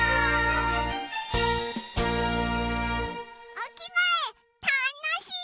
おきがえたのしい！